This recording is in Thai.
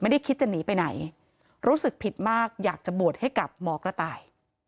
ไม่ได้คิดจะหนีไปไหนรู้สึกผิดมากอยากจะบวชให้กับหมอกระต่าย